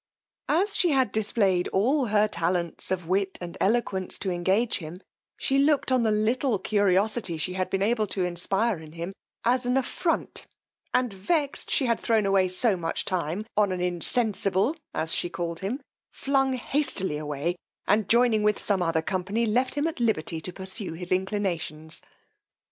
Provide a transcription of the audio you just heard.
As she had displayed all her talents of wit and eloquence to engage him, she looked on the little curiosity she had been able to inspire in him as an affront, and vexed she had thrown away so much time on an insensible, as she called him, flung hastily away, and joining with some other company, left him at liberty to pursue his inclinations.